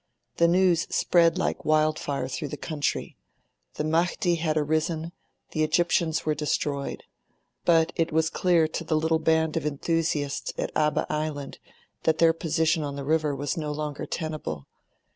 The news spread like wild fire through the country: the Mahdi had arisen, the Egyptians were destroyed. But it was clear to the little band of enthusiasts at Abba Island that their position on the river was no longer tenable.